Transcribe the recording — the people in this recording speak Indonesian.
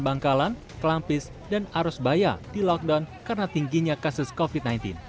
bangkalan kelampis dan arusbaya di lockdown karena tingginya kasus covid sembilan belas